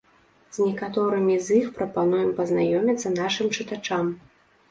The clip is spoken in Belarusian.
З некаторымі з іх прапануем пазнаёміцца нашым чытачам.